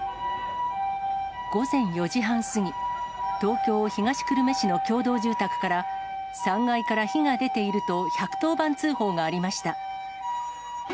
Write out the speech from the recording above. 午前４時半過ぎ、東京・東久留米市の共同住宅から、３階から火が出ていると１１０番通報がありました。